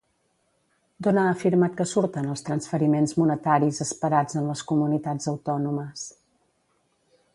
D'on ha afirmat que surten els transferiments monetaris esperats en les comunitats autònomes?